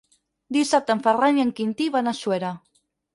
Dissabte en Ferran i en Quintí van a Suera.